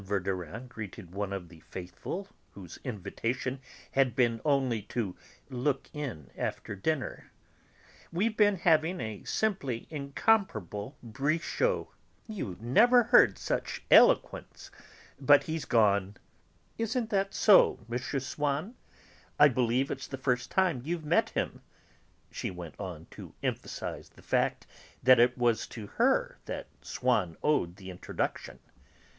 Verdurin greeted one of the 'faithful,' whose invitation had been only 'to look in after dinner,' "we've been having a simply incomparable Brichot! You never heard such eloquence! But he's gone. Isn't that so, M. Swann? I believe it's the first time you've met him," she went on, to emphasize the fact that it was to her that Swann owed the introduction.